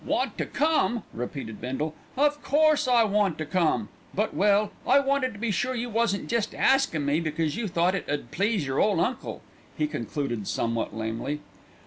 "Want to come!" repeated Bindle. "Of course I want to come; but, well, I wanted to be sure you wasn't jest askin' me because you thought it 'ud please your ole uncle," he concluded somewhat lamely.